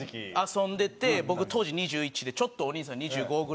遊んでて僕当時２１でちょっとお兄さん２５ぐらいで。